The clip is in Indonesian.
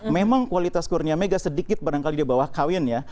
memang kualitas kurnia mega sedikit barangkali di bawah kawin ya